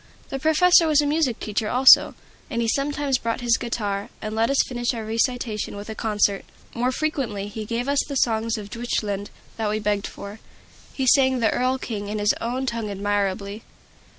The professor was a music teacher also, and he sometimes brought his guitar, and let us finish our recitation with a concert. More frequently he gave us the songs of Deutschland that we begged for. He sang the "Erl King" in his own tongue admirably.